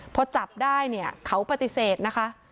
พอจับได้เนี่ยเขาปฏิเสธนะคะ